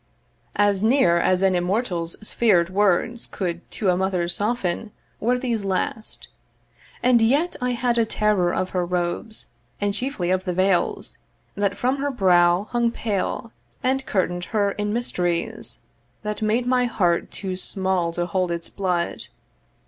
As near as an immortal's sphered words Could to a mother's soften, were these last: And yet I had a terror of her robes, And chiefly of the veils, that from her brow Hung pale, and curtain'd her in mysteries That made my heart too small to hold its blood.